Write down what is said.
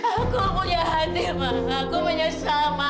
aku punya hati ma aku menyesal ma